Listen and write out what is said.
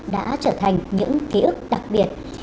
đã trở thành những ký ức đặc biệt